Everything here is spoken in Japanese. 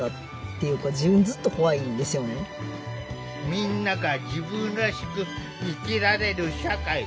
みんなが自分らしく生きられる社会。